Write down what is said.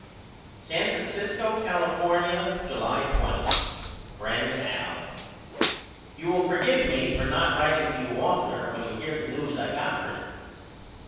San Francisco, California, July 20. FRIEND AL: You will forgive me for not writeing to you oftener when you hear the news I got for you.